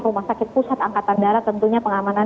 rs pusat angkatan darat tentunya pengamanan